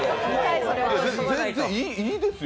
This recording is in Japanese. いいですよ。